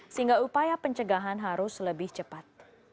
sehingga upaya pencegahan harus lebih cepat